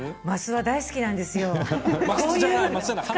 升は大好きなんですよ。